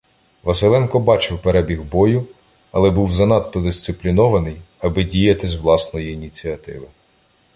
Василенко бачив перебіг бою, але був занадто дисциплінований, аби діяти з власної ініціативи.